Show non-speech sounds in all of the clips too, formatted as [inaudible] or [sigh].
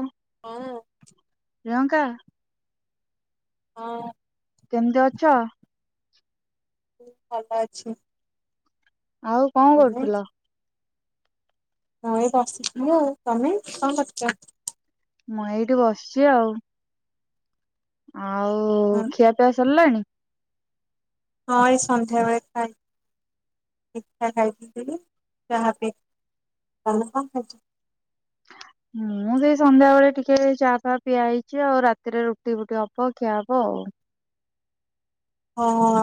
ହୁଁ ହଁ ପ୍ରିୟଙ୍କା ହଁ। କେମତି ଅଛ? ଭଲ ଅଛି। ଆଉ କଣ କରୁଥିଲ? ହଁ ଏଇ ବସି ଥିଲି ଆଉ। ତମେ କଣ କରୁଚ? ମୁଁ ଏଇଠି ବସିଛି ଆଉ। ଆଉ ହଁ ଖିଆପିଆ ସରିଲାଣି? ହଁ ଏଇ ସନ୍ଧ୍ୟାବେଳେ ଖାଇ ପିଠା ଖାଇଥିଲି, ଚାହା ପିଇ କଣ କଣ ଖାଇଚ? ମୁଁ ସେଇ ସନ୍ଧ୍ୟାବେଳେ ଟିକେ ଚା ଫା ପିଆ ହେଇଛି ଆଉ, ରାତିରେ ରୁଟି ଫୁଟି ହବ ଖିଆ ହବ। ହଉ। ହଁ।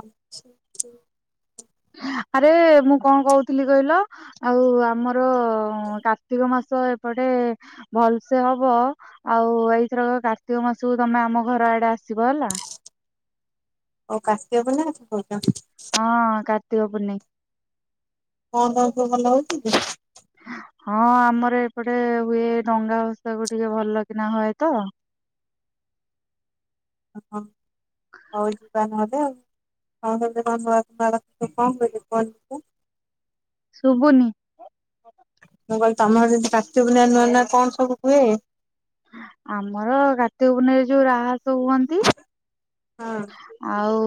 [inaudible] ଆରେ ମୁଁ କଣ କହୁଥିଲି କହିଲ, ଆଉ ଆମର କାର୍ତ୍ତିକ ମାସ ଏପଟ ଟେ ଭଲସେ ହବ, ଆଉ ଏଇଥର କାର୍ତ୍ତିକ ମାସକୁ ତମେ ଆମ ଘର ଆଡେ ଆସିବ ବ ହେଲା। ଓ କାର୍ତ୍ତିକ ପୂର୍ଣ୍ଣିମା କଥା କହୁଛ। ହଁ କାର୍ତ୍ତିକ ପୁନେଇଁ। ହଁ ତମର ସବୁ ଭଲ ହଉଚି? [unintelligible] ହଁ ଆମର ଏପଟେ ହୁଏ ଡଙ୍ଗା ଭସାକୁ ଟିକେ ଭଲ କିନା ହୁଏ ତ। [inaudible] ଓହ ହଉ ଯିବା ନହେଲେ ଆଉ। [unintelligible] ଶୁଭୁନି। ମୁଁ କହିଲି, ତମର ଯଦି କାର୍ତ୍ତିକ ପୂର୍ଣ୍ଣିମାରେ ନୂଆ ନୂଆ କଣ ସବୁ ହୁଏ? ଆମର କାର୍ତ୍ତିକ ପୂର୍ଣ୍ଣିମାରେ ଯୋଉ ରାହାସ ହୁଅନ୍ତି ହଁ ଆଉ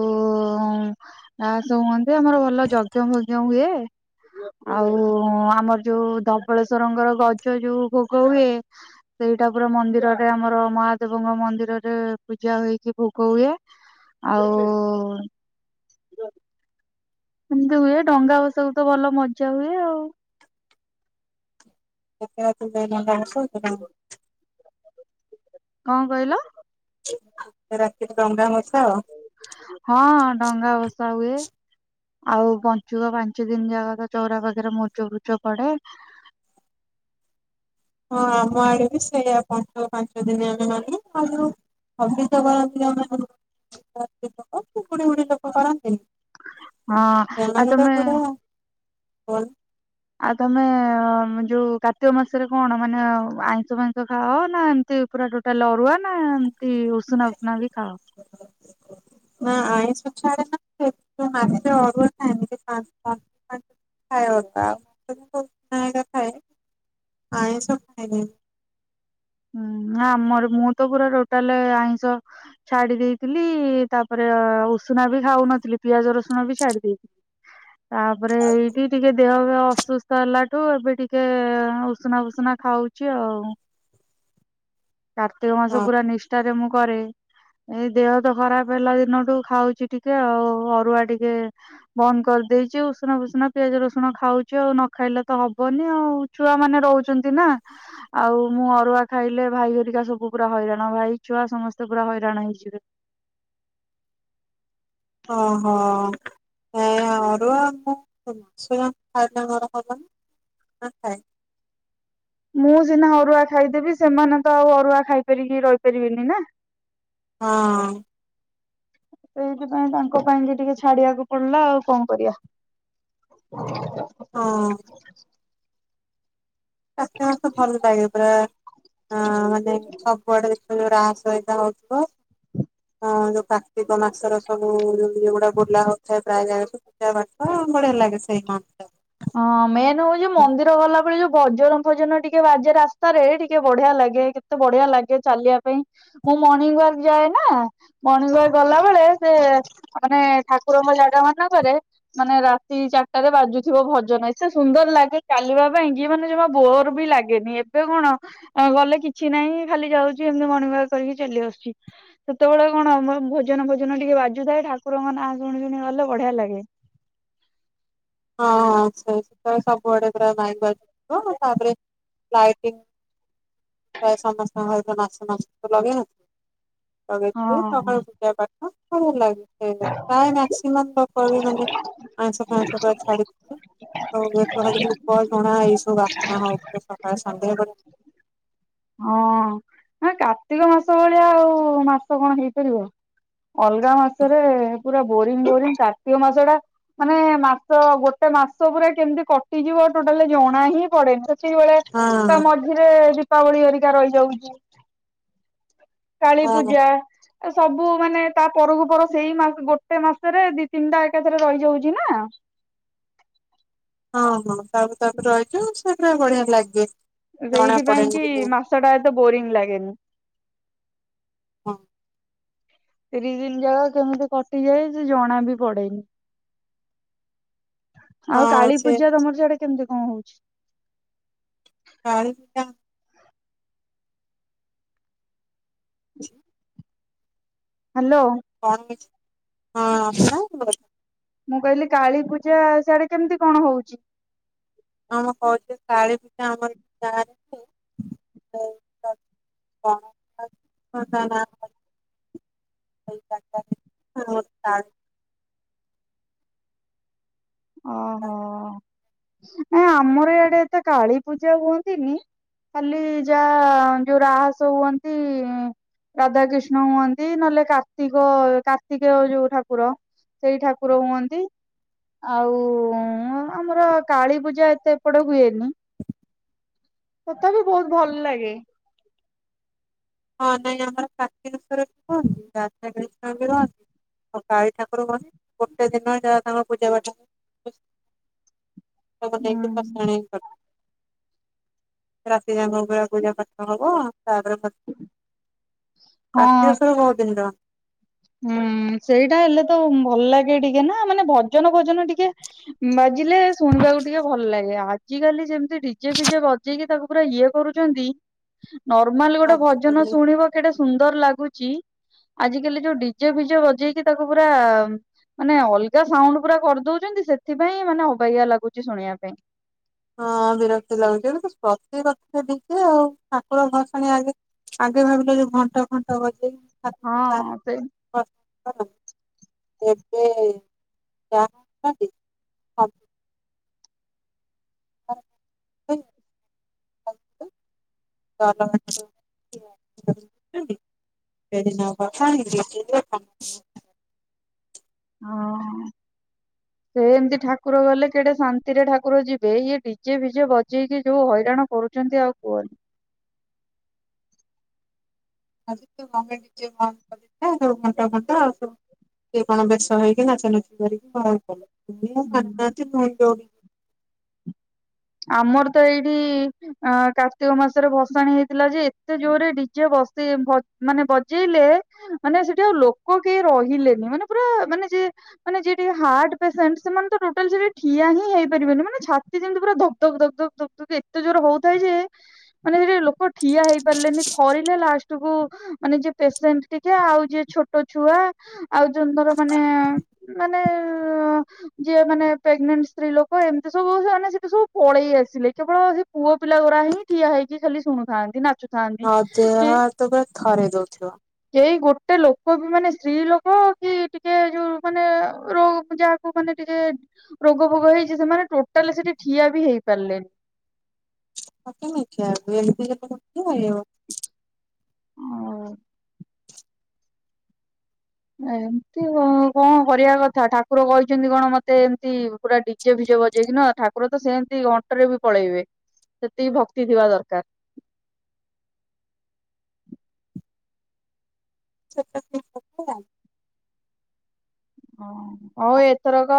ଆଉ ସବୁ ହୁଅନ୍ତି, ଆମର ଭଲ ଯଜ୍ଞ ଫଜ୍ଞ ହୁଏ ଆଉ ଆମର ଯୋଉ ଧବଳେଶ୍ଵରଙ୍କର ଗଜ ଯୋଉ ଭୋଗ ହୁଏ, ସେଇଟା ପୁରା ମନ୍ଦିରରେ ଆମର ମହାଦେବଙ୍କ ମନ୍ଦିରରେ ପୂଜା ହେଇକି ଭୋଗ ହୁଏ ଆଉ ସେମିତି ହୁଏ, ଡଙ୍ଗା ଭସାକୁ ତ ଭଲ ମଜା ହୁଏ ଆଉ। [unintelligible] କଣ କହିଲ? ରାତିରେ ଡଙ୍ଗା ଭସା ହଁ ଡଙ୍ଗା ଭସା ହୁଏ। ଆଉ ପଞ୍ଚୁକ ପାଞ୍ଚ ଦିନ ଯାକ ତ ଚଉରା ପାଖରେ ମୁରୁଜ ଫୁରୁଜ ପଡେ। [inaudible] ହଁ ଆମ ଆଡେ ବି ସେଇଆ ପଞ୍ଚୁକ ପାଞ୍ଚ ଦିନ ଆମେ ମାନୁ। [unintelligible] ସେମାନେ ହଁ ଆଉ ତ ତମେ ପୁରା କଣ। ଆଉ ତମେ ଯୋଉ କାର୍ତ୍ତିକ ମାସରେ କଣ ମାନେ ଆଇଁଷ ଫାଇଁସ ଖାଅ ନା ଏମିତି? ପୁରା ଟୋଟାଲ୍ ଅରୁଆ ନା ଏମତି ଉଷୁନା ପୁଷୁନା ବି ଖାଅ? ନା [unintelligible] [unintelligible] ଆଇଁଷ [unintelligible] ହୁଁ ଆମର ମୁଁ ତ ପୁରା ଟୋଟାଲ ଆଇଁଷ ଛାଡି ଦେଇଥିଲି ତାପରେ- ତ ଉଷୁନା ବି ଖାଉନଥିଲି ପିଆଜ, ରସୁଣ ବି ଛାଡି ଦେଇେଥି- ତାପରେ ଏଇଠି ଟିକେ ଦେହ- ଦେହ ଅସୁସ୍ଥ ହେଲାଠୁ ଏବେ ଟିକେ ଉଷୁନା ଫୁସୁନା ଖାଉଛି ଆଉ। କାର୍ତ୍ତିକ ମାସ ହଁ ପୁରା ନିଷ୍ଠାରେ ମୁଁ କରେ। ଏଇ ଦେହ ତ ଖରାପ ହେଲା ଦିନଠୁ ଖାଉଛି ଟିକେ ଆଉ ଅରୁଆ ଟିକେ ବନ୍ଦ କ ଦେଇଛି ଉଷୁନା ଫୁଷୁନା ପିଆଜ ରସୁଣ ଖାଉଚୁ ଆଉ ନ ଖାଇଲେ ତ ହବନି ଆଉ ଛୁଆ ମାନେ ରହୁଚନ୍ତି ନା ହଁ ଆଉ ମୁଁ ଅରୁଆ ଖାଇଲେ ଭାଇ ହେରିକା ସବୁ ପୁରା ହଇରାଣ ଭାଇ ଛୁଆ ସମସ୍ତେ ପୁରା ହଇରାଣ ହେଇଯିବେ। ଓ ହ। ହଁ ଅରୁଆ ଉଷୁନା ଖାଇଲେ କଣ ହବ? [unintelligible] ମୁଁ ସିନା ଅରୁଆ ଖାଇଦେବି ସେମାନେ ତ ଆଉ ଅରୁଆ ଖାଇପାରିକି ରହିପାରିବିନି ନା। ହଁ। ସେଇଥିପାଇଁ ତାଙ୍କ ପାଇଁ ବି ଟିକେ ଛାଡିବାକୁ ପଡିଲା ଆଉ କଣ କରିବା। ହଁ କାର୍ତ୍ତିକ ମାସ ଭଲ ଲାଗେ ପୁରା ଅଁ ଯାଇଁକି ସବୁଆଡେ ଦେ ସେ ଯୋଉ ରାହାସ ହେରିକା ହଉଥିବ ହଁ ଯୋଉ କାର୍ତ୍ତିକ ମାସର ସବୁ ଯୋଉ ଇଏ ଗୁଡା ବୋଲା ହଉଥାଏ ପ୍ରାୟ ଜାଗା ସବୁ ପୂଜା ପାଠ ବଢିଆ ଲାଗେ। [unintelligible] ହଁ ମେନ୍ ହଉଚି ମନ୍ଦିର ଗଲା ବେଳେ ଯୋଉ ଭଜନ ଭଜନ ଟିକେ ବାଜେ ରାସ୍ତାରେ ଟିକେ ବଢିଆ ଲାଗେ କେତେ ବଢିଆ ଲାଗେ ଚାଲିବା ପାଇଁ ମୁଁ ମର୍ଣ୍ଣିଙ୍ଗ ୱାର୍କ ଯାଏ ନା ମର୍ଣ୍ଣିଙ୍ଗ ୱାର୍କ ଗଲା ବେଳେ ସେ ମାନେ ଠାକୁରଙ୍କ ଜାଗା ମାନେ ଙ୍କରେ ମାନେ ରାତି ଚାରିଟାରେ ବାଜୁଚି ଭଜନ ଏତେ ସୁନ୍ଦର ଲାଗେ ଚାଲିବା ପାଇଁ କି ମାନେ ଜମା ବୋର୍ ବି ଲାଗେନି ଏବେ କଣ ଗଲେ କିଛି ନାହିଁ ଖାଲି ଯାଉଚି ଏମିତି ମର୍ଣ୍ଣିଙ୍ଗ ୱାର୍କ କରିକି ଚାଲି ଆସୁଚି ସେତେବେଳେ କଣ ଭଜନ ଭଜନ ଟିକେ ବାଜୁଥାଏ ଠାକୁରଙ୍କ ନାଁ ଶୁଣି ଶୁଣି ଗଲେ ବଢିଆ ଲାଗେ। ହଁଁ ସେ ସବୁଆଡେ ପୁରା ମାଇକି ବାଜୁଥିବ ତାପରେ ଲାଇଟି ପ୍ରାଏ ସମସ୍ତଙ୍କ ଘରେ ତ ମାସ ମାସ ଠୁ ଲାଗେ। ଲଗେଇଥିବେ ହଁ। ସକାଳୁ ପୂଜା ପାଠ ଭଲ ଲାଗି ପ୍ରାୟ ମାକ୍ସିମମ୍ ତ [unintelligible] ମାନେ ଆଇଁଷ ଫାଇଁସ ପୁରା ଛାଡିଥିବେ ଅରୁଆ ଧୂପ ଝୁଣା ଏଇସବୁ ପୁରା ବାସ୍ନା ହଉଥିବ ସକାଳେ ସନ୍ଧ୍ୟା ବେଳେ ହଁ ନା କାର୍ତ୍ତିକ ମାସ ଭଳିଆ ଆଉ ମାସ କଣ ହେଇପାରିବ ଅଲଗା ମାସରେ ପୁର ବୋରିଙ୍ଗ ବୋରିଂ କାର୍ତ୍ତିକ ମାସ ଟା ମାନେ ମାସ ଗୋଟେ ମାସ ପୁର କେମିତି କଟିଯିବ ଟୋଟାଲି ଜଣା ହିଁ ହଁ ପଡେନି ସେତିକିବେଳେ ତା ହଁ ମଝିରେ ଦୀପାବଳି ହରିକା ରହିଯାଉଚି କାଳୀ ହଁ ପୂଜା ଏ ସବ ସବୁ ମାନେ ତା ପରକୁ ପର ସେଇ ମାସ ଗୋଟେ ମାସରେ ଦି ତିନିଟା ଏକାଥରେ ରହିଯାଉଚି ନା ହଁ ହଁ ତାପର ତାପର ରହିଚୁ ସେଟା ବଢିଆ ଲାଗେ। ଜଣା ସେଇଥିପାଇଁ ପଡେନି କି ମାସ ଟା ଏତେ ବୋରିଂ ଲାଗେନି। ହଁ। ତିରିଶ ଦିନ ଯାକ କେମିତି କଟିଯାଏ, ସେ ଜଣା ବି ପଡେନି ଆଉ ହଁ କାଳୀ ସେ ପୂଜା ତମର ସେଆଡେ କେମିତି କଣ ହଉଛି? କଣଟା? ହୁଁ। ଅଛି କଣ ହଁ। ମୁଁ କହିଲି କାଳୀ ପୂଜା ସଆଡେ କେମିତି କଣ ହଉଛି? ଆମ କଉଛ ଶାଢୀ ପୂଜା ଆମର ଯା [unintelligible] [unintelligible] ନା ଓହୋ ନ ଆମର ଏଇଆଡେ ଏତେ କାଳୀ ପୂଜା ହୁଅନ୍ତିନି ଖାଲି ଯା ଯୋଉ ରାହସ ହୁଅନ୍ତି। ରାଧାକୃଷ୍ଣ ହୁଅନ୍ତି ନହେଲେ, କାର୍ତ୍ତିକ କାର୍ତ୍ତିକ ଯୋଉ ଠାକୁର ସେଇ ଠାକୁର ହୁଅନ୍ତି। ଆଉ ଆମର କାଳୀ ପୂଜା ଏତେ ପଡ ହୁଏନି ତଥାପି ବହୁତ ଭଲ ଲାଗେ। ହଁ ନାଇଁ ଆମର କାକ୍ଷନେଶ୍ଵର, ବି କୁହନ୍ତି ରାଧା କ୍ରୀଷ୍ଣ ବି ରହନ୍ତି ଆଉ କାଳି ଠାକୁର କହ ଗୋଟେ ଦିନ ଯ ତାଙ୍କର ପୂଜା ପାଠ [unintelligible] ହୁଁ ରାତି ଯଙ୍କ ପୂଜା ପାଠ ହବ ହଁ କାତି ଉସବ ବହୁଉତ ଦିନ ର ହୁଁ ସେଇଟା ହେଲେ ତ ଭଲ ଲାଗେ ଟିକେ ନା, ମାନେ ଭଜନ ଭଜନ ଟିକେ ବା ବୁଝିଲେ ଶୁଣିବାକୁ ଟିକେ ଭଲ ଲାଗେ, ଆଜିକାଲି ଯେମିତି ଡିଜେ ଫିଜେ ବଜେଇକି ତାକୁ ପୁରା ଇଏ କରୁଛନ୍ତି ନର୍ମାଲ ଗୋଟେ ଭଜନ ଆଜିକାଲି ଶୁଣିବ କେଟା ସୁନ୍ଦର ଲାଗୁଛି ଆଜିକାଲି ଯୋଉ ଡିଜେ ଫିଜେ ବଜେଇକି, ତାକୁ ପୁରା ମାନେ ଅଲଗା ସାଉଣ୍ଡ ପୁରା କରିଦଉଛନ୍ତି, ସେଥିପାଇଁ ମାନେ ଅବଆ ଲାଗୁଛି ଶୁଣିବା ପାଇଁ ହଁ ବିରକ୍ତି ଲାଗୁଛି, ଗଟ ପ୍ରତି କଥା ସେଠିକେ ଆଉ ଠାକୁର ଭସାଣି ଆଗେ ଆଗେ ଭାବିଲେ ଯୋଉ ଘଣ୍ଟା ଫଣ୍ଟ ବଜେଇ ହଁ ସେ ହ ଏବେ ଯହାଛନ୍ତି [unintelligible] [unintelligible] ହଁ। ସେ ଏମିତି ଠାକୁର ଗଲେ କେଡେ ଶାନ୍ତି, ରେ ଠାକୁର ଯିବେ ଇଏ ଡିଜେ ଭିଜେ ବଜେଇକି ଯୋଉ ହଇରାଣ କରୁ କରୁଛନ୍ତି ଆଉ କୁହନ ଆଜିିତ ମଙ୍ଗଡିଦ [unintelligible] ସଏ କଣ ବେଶ ହେଇକି ନାଚ ନଚ କରିକି ଭହାର କଲେ ହୁଁ। ଭଉି ଆମର ତ ଏଇଠି ଅ କାର୍ତ୍ତିକ ମାସରେ ଭସାଣି ହେଇଥିଲା। ଯେ, ଏତେ ଜୋରେ ଡିଜେ ବକ୍ସ୍ ସେ ମାନେ ବଜେଇଲେ ମାନେ ସେଠି ଆଉ ଲୋକ କେହି ରହିଲେନି, ମାନେ ପୁରା ମାନେ ଯେ ମାନେ ଯି ହାର୍ଟ ପେସେଣ୍ଟ ସେମାନେ ତ ଟୋଟାଳି ଠିଆ ହିଁ ହେଇପାରିବନି ମାନେ ଛାତି ଯେମତି ପୁରାଧକ୍ ଧ ଧକ, ଧକ, ଧକ, ଧକ, ଧକ ଏତେ ଜୋର ହଉଥାଏ, ଯେ ମାନେ ସେଠି ଲୋକ ଠିଆ ହେଇପାରିଲେନି, ଥରିଲେ ଲାଷ୍ଟକୁୁ ମାନେ ଯ ପେସେଣ୍ଟ ଟିକେ ଆଉ ଯଏ ଛୋଟ ଛୁଆ, ଆଉ ଯୋଉ ଧର ମାନେ ମାନେ ଯିଏ ମାନେ ପ୍ରେଗନଟ ସ୍ତ୍ରୀ ଏମତି ସବ ସେ ପଳେଇ ଆସିଲେ, କେବଳ ସେ ପୁଅ ପିଲା ଗୁଡା ହିଁ ଠିଆ ହେଇକି ଖାଲି ଶୁଣୁଥାନ୍ତି, ନାଚୁଥାନନ୍ତି ଥାନ୍ତି ହଁ ଦେହ କି ହାତ ପୁରା ଥରେଇ ଦଉଥିବ। କେଇ ଗୋଟେ ଗେ ଲୋକ ବି ମାନେ ସ୍ତ୍ରୀ ଲୋକ କି ଟିକେ ଯୋଉ ମାନେ ର ଯାହାକୁ ମାନେ ଟିକେ ରୋଗ ଭୋଗ ହେଇଛି, ସେମାନେ ଟୋଟାଲି ସେଠି ଠିଆ ବି ହେଇପାରିଲେନି। ନିଛ [unintelligible] ଏମତି କଣ କରିବା କଥା ଠାକୁର କହିଛନ୍ତି, କଣ ମତେ ଏମିତି ପୁରା ଡିଜେ ଭ [unintelligible] ଯାଇକି ନା ଠାକୁର ତ ସେମିତି ଅଣ୍ଟରେ ବି ପଳେଇବେ। ସେତିକି ଭକ୍ତି ଥିବା ଦରକାର। ସେ [unintelligible] ଓ ହଉ ଏଥରକ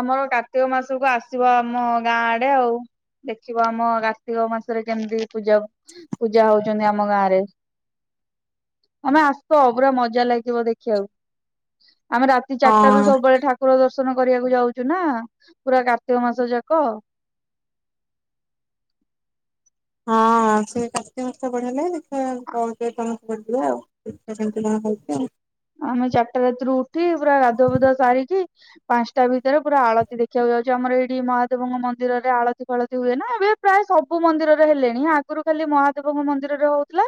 ଆମର କାର୍ତ୍ତିକ ମାସକୁ ଆସିବ ଆମ ଗାଁ ଆଡେ ଆଉ। ଦେଖିବ ଆମ କାର୍ତ୍ତିକ ମାସରେ କେମିତି ପୂଜା ପୂଜା ହଉଛନ୍ତି ଆମ ଗାଁ ରେ। ଆମେ ଆସ ପୁରା ମଜା ଲାଗିବ ଦେଖିବାକୁ। ଆମେ ରାତି ଚାରିଟା ର ହଁ ସବୁବେଳେ ଠାକୁର ଦର୍ଶ ଦର୍ଶନ କରିବାକୁ ଯାଉଛୁ ନା ପୁରା କାର୍ତ୍ତିକ ମାସ ଯାକ। [inaudible] ହଁ, ସେ କାର୍ତ୍ତିକ ମାସରେ ଦେଖିବା କଣ ତମ [unintelligible] ଆଉ କେମତି କଣ କରଛି ଆଉ? ଆମେ ଚାରିଟା ରାତିରୁ ଉଠି ପୁରା ଗାଧୁଆ ପଧୁଆ ସାରିକି ପାଞ୍ଚଟା ଭିତରେ ପୁରା ଆଳତିୀ ଦେଖିବାକୁ ଯାଉଛି। ଆମର ଏଇଠି ମହାଦେବଙ୍କ ମନ୍ଦିରରେ ଆଳତି ଫାଳତି ହୁଏ ନା ଏବେ ପ୍ରାୟ ସବୁ ମନ୍ଦିରରେ ହେଲେଣି ଆଗରୁ ଖାଲି ମହାଦେବଙ୍କ ମନ୍ଦିରରେ ହଉଥିଲା।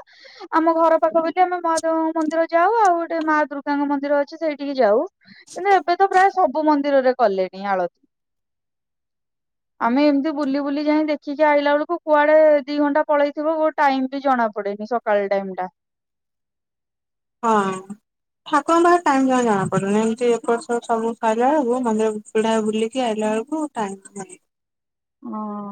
ଆମ ଘର ପାଖ ବି ଟିକ ଆମେ ମହାଦେବଙ୍କ ମନ୍ଦିର ଯାଉ, ଆଉ ଗୋଟେ ମା ଦୁର୍ଗାଙ୍କ ମନ୍ଦିର ଅଛି ସେଇଠିକି ଯାଉ କିନ୍ତୁ ଏବେ ତ ପ୍ରାୟ ସବୁ ମନ୍ଦିରରେ କଲେଣି ଆଳତି। ଆମେ ଏମିତି ବୁଲି ବୁଲି ଯାଇ ଦେଖିକି ଆଇଲା ବେଳକୁ କୁଆଡେ ଦି ଘଣ୍ଟା ପଳେଇଥିବ ଗୋ ଟାଇମ ଜଣା ପଡିବ। ସକାଳ ଟାଇମ ଟା। ହଁ। ଠାକୁରଙ୍କ ପାଖ ଟାଇମ୍ ଟ ଜଣା ପଡୁନି ଏମିତି ଏପଟ ସେପଟ ସବୁ ସାଇଲା ବେଳକୁ ମନ୍ଦିର ପିଡା ବୁଲିକି ଆଇିଲା ବେଳକୁ ଟାଇମ ନାହିଁ। ହଁ।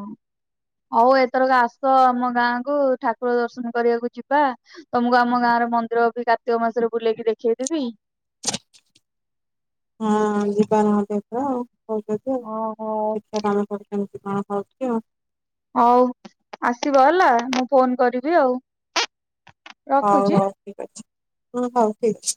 ହଉ ଏଥରକ ଆସ ଆମ ଗାଁ କୁ ଠାକୁର ଦର୍ଶନ କରିବାକୁ ଯିବା ତମକୁ ଆମ ଗାଁ ଆର ମନ୍ଦିର ବି କାର୍ତ୍ତିକ ମାସରେ ବୁଲେଇକି ଦେଖେଇଦବି। ହଁ ଯିବା ନାହାନ୍ତି [unintelligible] ଏ ତ ଆଉ କହୁ ଓହୋ। ଆଉା [unintelligible] କାମ କର କଣ? ଓଉ କ [unintelligible] ହଉ ଆସିବ ହେଲା ମୁଁ ଫୋନ କରିବି ଆଉ। ହଉ ରଖୁଛି। ହଉ ଠିକ ଅଛି ହଁ ହଉ ଠିକ ଅଛି।